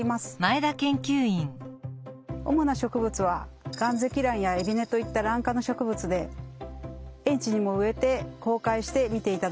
主な植物はガンゼキランやエビネといったラン科の植物で園地にも植えて公開して見ていただいています。